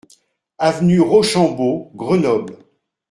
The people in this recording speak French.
Avenue Rochambeau, Grenoble